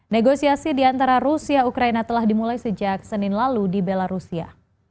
negosiasi di antara rusia ukraina telah dimulai sejak senin lalu di belarusia